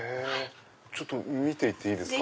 ちょっと見ていっていいですか？